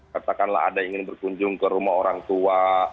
katakanlah ada yang ingin berkunjung ke rumah orang tua